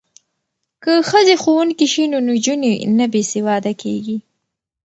که ښځې ښوونکې شي نو نجونې نه بې سواده کیږي.